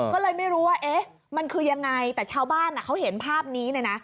ก็เลยไม่รู้ว่าเอ๊ะมันคือยังไงแต่ชาวบ้านเขาเห็นภาพนี้เลยนะ